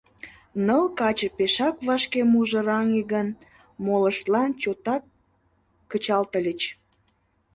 Ныл каче пешак вашке мужыраҥе гын, молыштлан чотак кычалтыльыч.